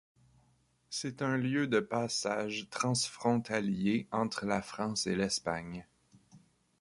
C'est un lieu de passage transfrontalier entre la France et l'Espagne.